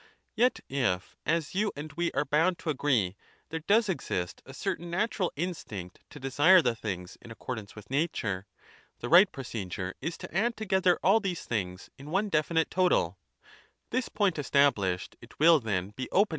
Yet if, as you and we are bound to agree, bt there does exist a certain natural instinct to desire ?j the things in accordance with nature, the right proce dure is to add together all these things TiTone'definite CICERO DE FINIBUS ^H Bumma facienda.